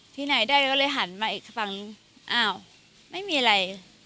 ที่ไหนได้ก็เลยหันมาอีกฝั่งอ้าวไม่มีอะไร